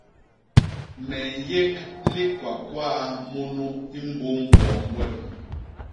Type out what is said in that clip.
Me nyék likwakwaa munu i mbôm wom wem.